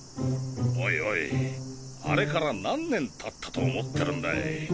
おいおいあれから何年経ったと思ってるんだい？